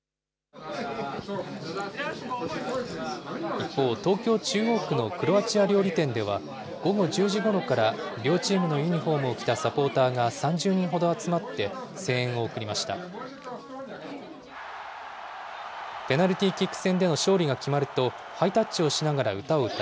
一方、東京・中央区のクロアチア料理店では、午後１０時ごろから両チームのユニホームを着たサポーターが３０人ほど集まって、声援を送りました。